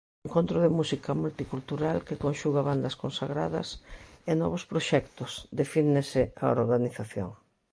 Encontro de música multicultural que conxuga bandas consagradas e novos proxectos, defínese a organización.